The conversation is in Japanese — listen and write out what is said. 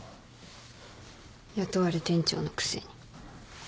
雇われ店長のくせに。